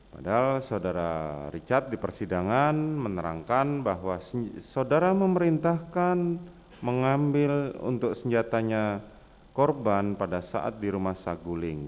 padahal saudara richard di persidangan menerangkan bahwa saudara memerintahkan mengambil untuk senjatanya korban pada saat di rumah saguling